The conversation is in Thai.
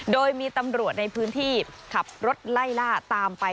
โดยมีตำรวจในพื้นที่ขับรถไล่ล่าตามไป